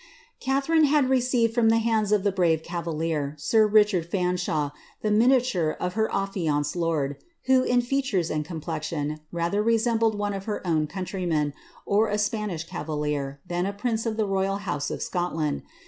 Qitharine had received from the hands of the brave cavalieri sir Richard Fanshawe, the miniature of her afllianced lord, who, in featarea and complexion, rather resembled one of her own countirmen, or a Spanish cavalier, than a prince of the royal house of Scotund.